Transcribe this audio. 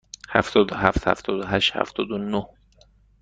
هفتاد و هفت، هفتاد و هشت، هفتاد و نه.